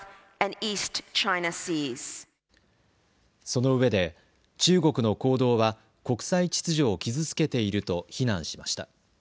そのうえで中国の行動は国際秩序を傷つけていると非難しました。